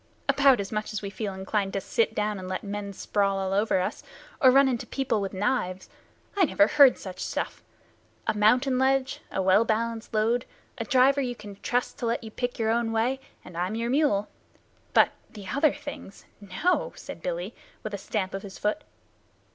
"About as much as we feel inclined to sit down and let men sprawl all over us, or run into people with knives. I never heard such stuff. A mountain ledge, a well balanced load, a driver you can trust to let you pick your own way, and I'm your mule. But the other things no!" said Billy, with a stamp of his foot.